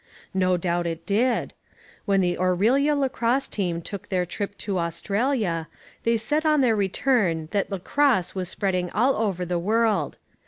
No doubt it did. When the Orillia lacrosse team took their trip to Australia, they said on their return that lacrosse was spreading all over the world.